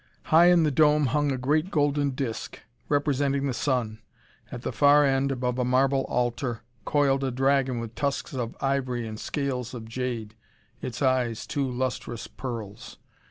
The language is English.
High in the dome hung a great golden disc, representing the sun. At the far end, above a marble altar, coiled a dragon with tusks of ivory and scales of jade, its eyes two lustrous pearls.